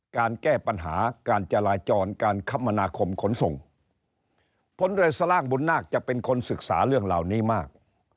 การแก้ปัญหาการจราจรการคมนาคมขนส่งผลเรือสล่างบุญนาคจะเป็นคนศึกษาเรื่องเหล่านี้มาก